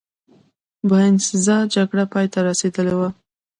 د باینسزا جګړه پایته رسېدلې وه.